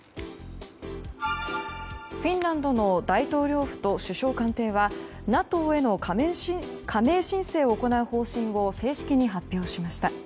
フィンランドの大統領府と首相官邸はＮＡＴＯへの加盟申請を行う方針を正式に発表しました。